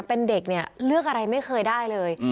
เป็นเด็กเนี่ยเลือกอะไรไม่เคยได้เลย